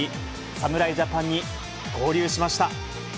侍ジャパンに合流しました。